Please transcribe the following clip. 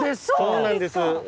そうなんですか！